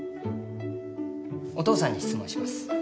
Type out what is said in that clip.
お父さんに質問します。